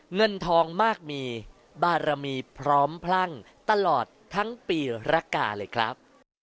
เงินทองมากมีบารมีพร้อมพลั่งตลอดทั้งปีรกาเลยครับ